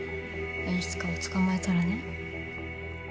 演出家を捕まえたらね